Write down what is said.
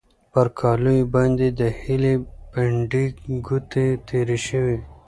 پر کالیو باندې د هیلې پنډې ګوتې تېرې شوې.